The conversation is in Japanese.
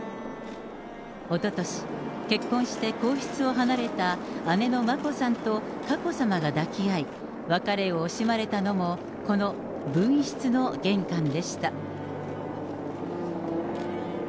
おととし、結婚して皇室を離れた、姉の眞子さんと佳子さまが抱き合い、別れを惜しまれたのも、この分室の玄関でした。